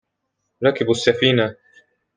ركبوا السفينة.